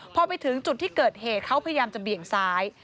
พอไปถึงจุดที่เกิดเหตุเขาพยายามจะเบี่ยงซ้าย